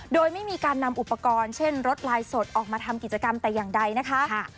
โดยไม่มีการนำอุปกรณ์เช่นรถลายสดออกมาทำกิจกรรมแต่อย่างใดนะคะ